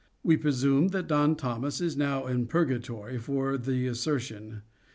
We presume that Don Thomas is now in Purgatory for the assertion.